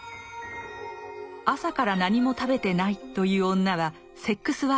朝から何も食べてないという女はセックスワーカーでした。